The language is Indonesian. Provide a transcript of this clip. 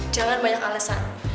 jangan banyak alesan